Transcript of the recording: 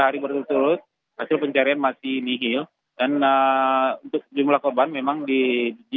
tiga hari berturut turut hasil pencarian masih nihil dan untuk jumlah korban memang di